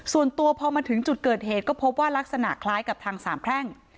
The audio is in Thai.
ส่วนตัวพอมาถึงจุดเกิดเหตุก็พบว่ารักษณะคล้ายกับทางสามแพร่ง